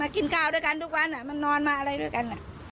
ทุกวันน่ะมันนอนมาอะไรด้วยกัน